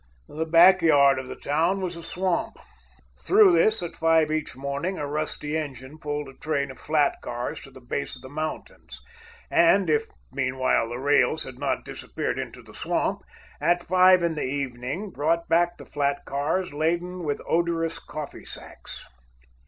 The backyard of the town was a swamp. Through this at five each morning a rusty engine pulled a train of flat cars to the base of the mountains, and, if meanwhile the rails had not disappeared into the swamp, at five in the evening brought back the flat cars laden with odorous coffee sacks.